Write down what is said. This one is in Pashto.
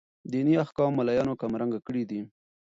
ديني احكام ملايانو کم رنګه کړي دي.